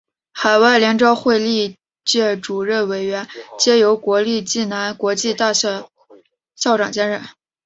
海外联招会历届主任委员皆由国立暨南国际大学校长兼任。